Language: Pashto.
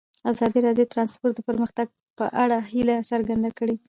ازادي راډیو د ترانسپورټ د پرمختګ په اړه هیله څرګنده کړې.